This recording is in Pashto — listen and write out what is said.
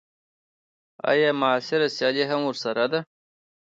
ایا معاصره سیالي هم ورسره ده.